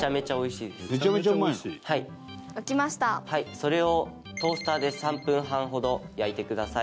それをトースターで３分半ほど焼いてください。